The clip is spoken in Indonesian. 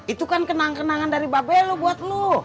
itu kan kenangan kenangan dari babe lo buat lo